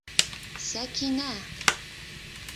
Сәкинә!